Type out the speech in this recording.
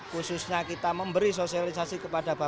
khususnya kita memberi sosialisasi kepada anak anak